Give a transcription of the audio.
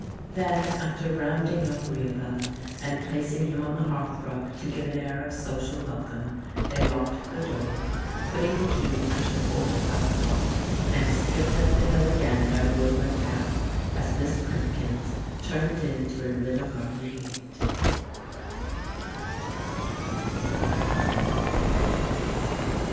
Then, after rounding up Rehoboam, and placing him on the hearthrug to give an air of social welcome, they locked the door, putting the key under the fourth flower pot, and skipped up the hill again by the woodland path, as Miss Primkins turned into her little garden gate.